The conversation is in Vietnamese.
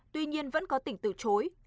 tuy nhiên vẫn có tỉnh từ chối